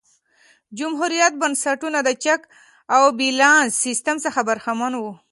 جمهوريت بنسټونه د چک او بیلانس سیستم څخه برخمن وو.